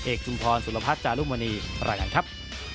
เอกจุงพรสุรพัฒน์จารุมณีลาก่อนครับ